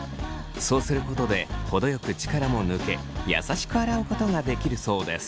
そうすることで程よく力も抜け優しく洗うことができるそうです。